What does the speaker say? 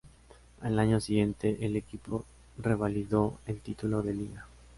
Al año siguiente el equipo revalidó el título de Liga.